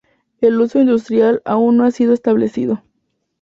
El uso industrial aún no ha sido establecido.